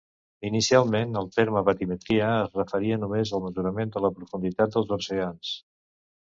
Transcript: Inicialment, el terme batimetria es referia només al mesurament de la profunditat dels oceans.